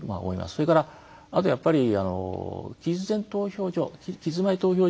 それから、あとやっぱり期日前投票所を増やす。